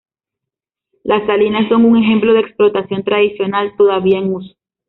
Las salinas son un ejemplo de explotación tradicional todavía en uso.